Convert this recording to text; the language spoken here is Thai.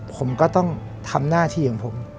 ผมก็ต้องทำหน้าที่ของผม